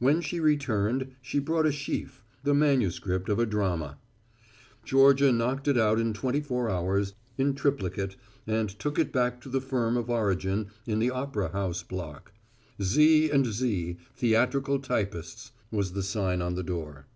When she returned she brought a sheaf, the manuscript of a drama. Georgia knocked it out in twenty four hours, in triplicate, and took it back to the firm of origin in the Opera House Block. "Z. & Z. Theatrical Typists" was the sign on the door.